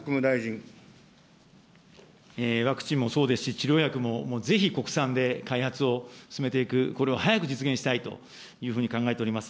ワクチンもそうですし、治療薬もぜひ国産で開発を進めていく、これを早く実現したいというふうに考えております。